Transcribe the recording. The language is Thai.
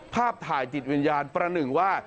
ภาพถ่ายจิตวิญญาณประหนึ่งว่า